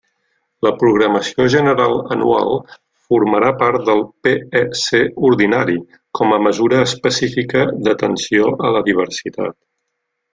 La programació general anual formarà part del PEC ordinari, com a mesura específica d'atenció a la diversitat.